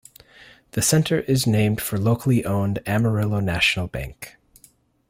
The center is named for locally owned Amarillo National Bank.